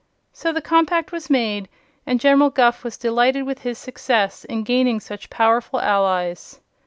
So the compact was made and General Guph was delighted with his success in gaining such powerful allies.